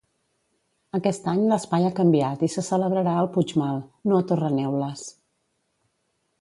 Aquest any l'espai ha canviat i se celebrarà al Puigmal, no a Torreneules.